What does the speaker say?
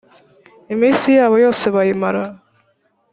iminsi yabo yose bayimara